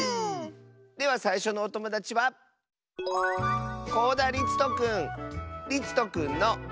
ではさいしょのおともだちはりつとくんの。